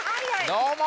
どうも！